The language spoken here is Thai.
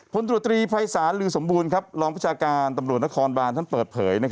ผลตัวตรีภัยสารฤทธิ์ศมบูรณ์รองพฤชาการตำรวจนครบานทั้งเปิดเผย